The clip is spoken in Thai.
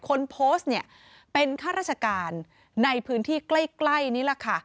คนโพสต์เนี่ยเป็นข้าราชการในพื้นที่ใกล้นี่แหละค่ะ